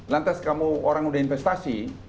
lantas kamu orang udah investasi